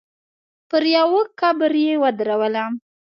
پر يوه قبر يې ودرولم.